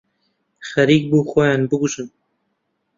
خەریک بوو خۆیان بکوژن.